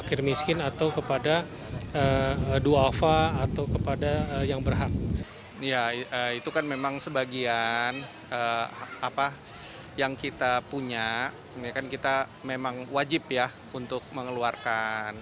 kita memang wajib ya untuk mengeluarkan